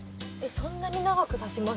そんなに長くさします？